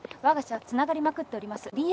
わが社はつながりまくっております。